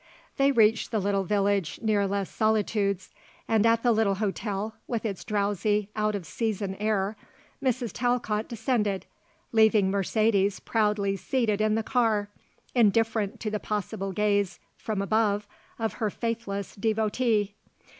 They reached the little village near Les Solitudes, and at the little hotel, with its drowsy, out of season air, Mrs. Talcott descended, leaving Mercedes proudly seated in the car, indifferent to the possible gaze from above of her faithless devotee.